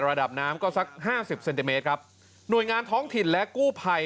ระดับน้ำก็สักห้าสิบเซนติเมตรครับหน่วยงานท้องถิ่นและกู้ภัย